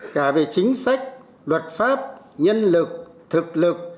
cả về chính sách luật pháp nhân lực thực lực